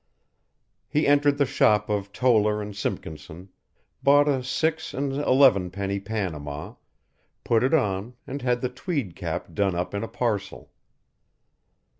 He entered the shop of Towler and Simpkinson, bought a six and elevenpenny panama, put it on and had the tweed cap done up in a parcel.